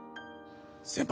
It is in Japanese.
先輩！